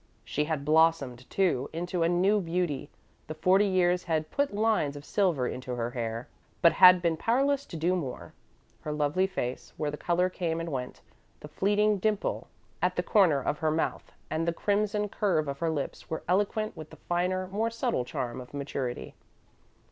She had blossomed, too, into a new beauty. The forty years had put lines of silver into her hair, but had been powerless to do more. Her lovely face, where the colour came and went, the fleeting dimple at the corner of her mouth and the crimson curve of her lips were eloquent with the finer, more subtle charm of maturity.